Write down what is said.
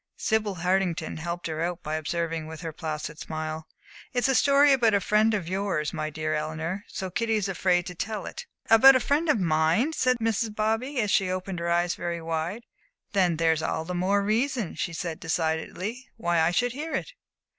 Sibyl Hartington helped her out by observing, with her placid smile: "It's a story about a friend of yours, my dear Eleanor, so Kitty is afraid to tell it." "About a friend of mine?" said Mrs. Bobby, and she opened her eyes very wide. "Then there's all the more reason," she said, decidedly, "why I should hear it."